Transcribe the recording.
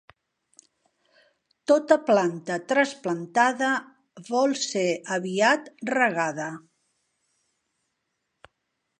Tota planta trasplantada vol ser aviat regada.